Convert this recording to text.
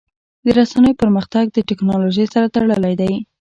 د رسنیو پرمختګ د ټکنالوژۍ سره تړلی دی.